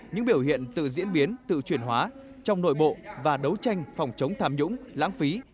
những biểu hiện tự diễn biến tự chuyển hóa trong nội bộ và đấu tranh phòng chống tham nhũng lãng phí